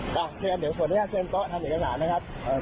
ตรงนี้ส่วนศาสตร์ทานเด็กน้ำสานะครับ